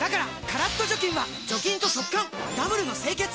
カラッと除菌は除菌と速乾ダブルの清潔！